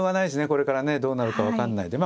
これからねどうなるか分かんないんで。